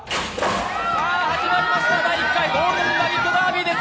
始まりました第１回「ゴールデンラヴィット！ダービー」です。